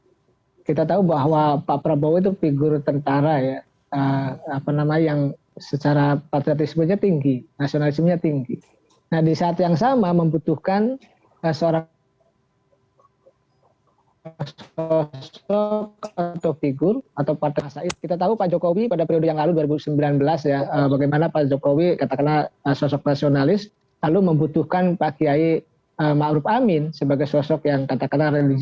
oke kalau begitu berarti nanti duetnya adalah pak prabowo dan juga pak muhammad iskandar